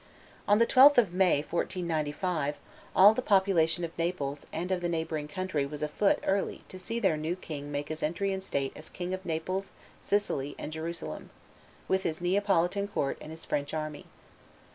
On the 12th of May, 1495, all the population of Naples and of the neighboring country was afoot early to see their new king make his entry in state as King of Naples, Sicily, and Jerusalem, with his Neapolitan court and his French army.